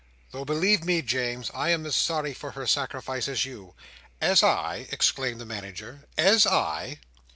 "Though believe me, James, I am as sorry for her sacrifice as you." "As I?" exclaimed the Manager. "As I?"